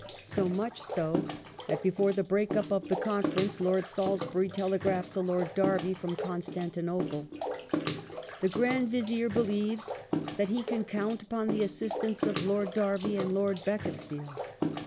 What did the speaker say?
So much so that, before the break up of the conference. Lord Salisbury telegraphed ^ to Lord Derby from Constantinople :" The Grand Vizier believes that he can count upon the assistance of Lord Derby and Lord Beaconsfield